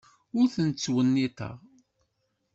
Ur tent-ttwenniteɣ.